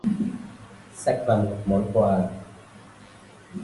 sách là một món quà